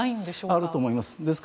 あると思います。